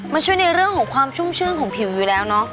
ช่วยในเรื่องของความชุ่มชื่นของผิวอยู่แล้วเนาะ